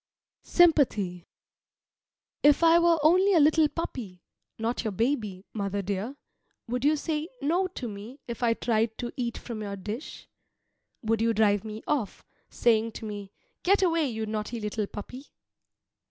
SYMPATHY If I were only a little puppy, not your baby, mother dear, would you say "No" to me if I tried to eat from your dish? Would you drive me off, saying to me, "Get away, you naughty little puppy?"